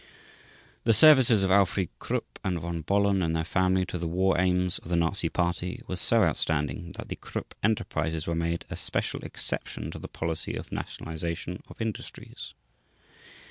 The services of Alfried Krupp and of Von Bohlen and their family to the war aims of the Nazi Party were so outstanding that the Krupp enterprises were made a special exception to the policy of nationalization of industries.